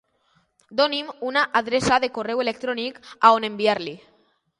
Doni'm una adreça de correu electrònic a on enviar-li.